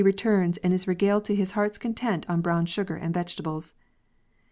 returns and is regaled to his heart's content on brown sugar and vegetables.